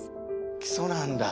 基礎なんだ。